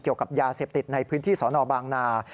เกี่ยวกับยาเสพติดในพื้นที่สนบางนา